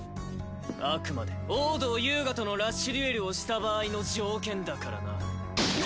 あくまで王道遊我とのラッシュデュエルをした場合の条件だからな。